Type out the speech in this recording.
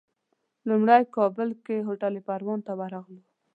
لومړی کابل کې هوټل پروان ته ورغلو.